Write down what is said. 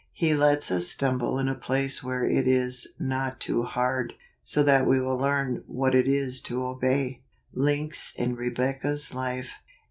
He lets us stumble in a place where it is not too hard, so that we will learn what it is to obey. Links in Rebecca's Life.